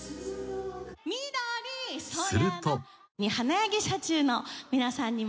［すると］